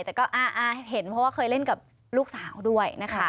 แต่ก็เห็นเพราะว่าเคยเล่นกับลูกสาวด้วยนะคะ